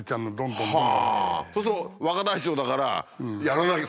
そうすると若大将だからやらなきゃ！